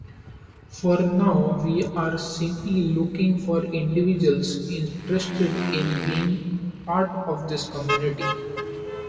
For now, we’re simply looking for individuals interested in being part of this community.